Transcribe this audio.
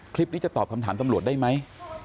จะตอบคำถามตำรวจได้ไหม